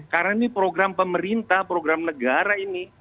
karena ini program pemerintah program negara ini